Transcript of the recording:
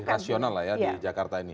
rasional lah ya di jakarta ini